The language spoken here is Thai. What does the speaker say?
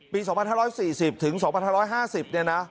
ปี๒๕๔๐ถึง๒๕๕๐เนี่ยนะ